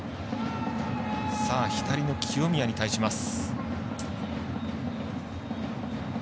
左の清宮に対します。